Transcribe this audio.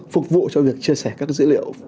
phục vụ cho việc chia sẻ các dữ liệu